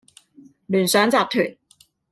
聯想集團